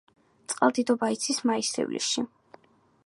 წყალდიდობა იცის მაის-ივლისში.